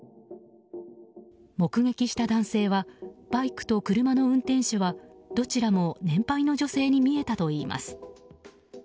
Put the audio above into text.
目撃した男性はバイクと車の運転手はどちらも年配の女性に見えたといいます。